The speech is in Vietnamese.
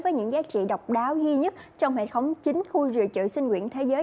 với những giá trị độc đáo duy nhất trong hệ thống chính khu dự trữ sinh quyển thế giới